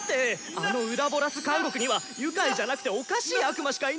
あのウラボラス監獄には愉快じゃなくておかしい悪魔しかいないんだから！